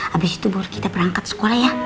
abis itu boleh kita berangkat sekolah ya